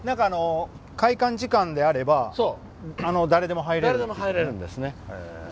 開館時間であれば誰でも入れるんですね。